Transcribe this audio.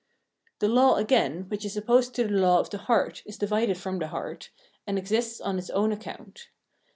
The law, again, which is opposed to the law of the heart is divided from the heart, and exists on its own account.